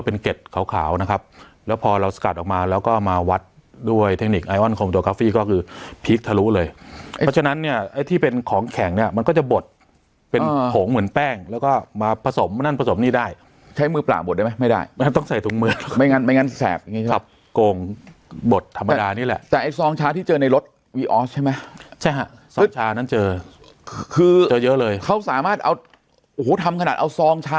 เพราะฉะนั้นเนี้ยไอ้ที่เป็นของแข็งเนี้ยมันก็จะบดเป็นผงเหมือนแป้งแล้วก็มาผสมนั่นผสมนี่ได้ใช้มือปล่าบดได้ไหมไม่ได้ต้องใส่ถุงมือไม่งั้นไม่งั้นแสบอย่างงี้ใช่ไหมขับโกงบดธรรมดานี่แหละแต่ไอ้ซองชาที่เจอในรถวีออสใช่ไหมใช่ฮะซองชานั้นเจอคือเจอเยอะเลยเขาสามารถเอาโอ้โหทำขนาดเอาซองช